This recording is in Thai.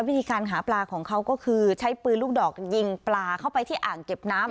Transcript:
วิธีการหาปลาของเขาก็คือใช้ปืนลูกดอกยิงปลาเข้าไปที่อ่างเก็บน้ำ